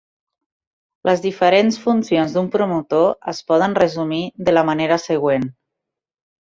Les diferents funcions d'un promotor es poden resumir de la manera següent.